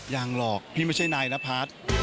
ยังหรอกพี่ไม่ใช่นายนพัฒน์